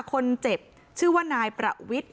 คนเจ็บชื่อว่านายประวิทย์